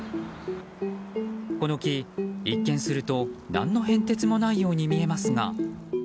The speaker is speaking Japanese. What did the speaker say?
この木、一見すると何の変哲もないように見えますが。